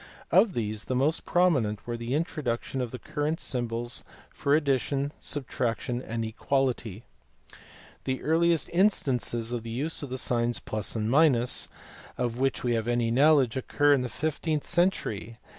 Of these the most prominent were the introduction of the current symbols for ad dition, subtraction, and equality. The earliest instances of the use of the signs + and of which we have any knowledge occur in the fifteenth century.